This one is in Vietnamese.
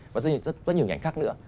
và rất nhiều hình ảnh khác nữa